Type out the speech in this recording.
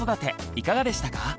いかがでしたか？